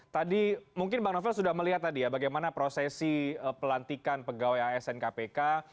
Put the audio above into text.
tadi mungkin bang novel sudah melihat tadi ya bagaimana prosesi pelantikan pegawai asn kpk